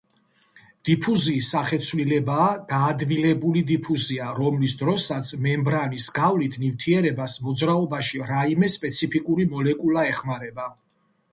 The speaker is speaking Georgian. დიფუზიის სახეცვლილებაა გაადვილებული დიფუზია, რომლის დროსაც მემბრანის გავლით ნივთიერებას მოძრაობაში რაიმე სპეციფიკური მოლეკულა ეხმარება.